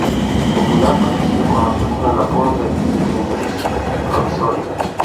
Popularmente se le conoció con el apodo de "el infeliz Provisorio".